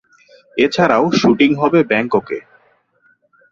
এছাড়াও শ্যুটিং হবে ব্যাংককে।